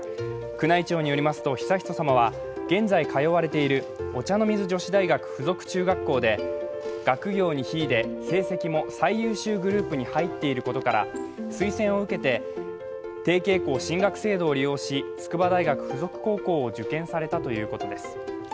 宮内庁によりますと、悠仁さまは現在通われているお茶の水女子大学附属中学校で学業に秀で、成績も最優秀グループに入っていることから推薦を受けて提携校進学制度を利用し筑波大学附属高校を受験されたということです。